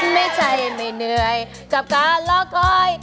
ไม่ใช่ไม่เหนื่อยจากการรอคอย